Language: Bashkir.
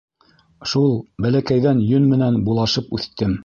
Шул бәләкәйҙән йөн менән булашып үҫтем.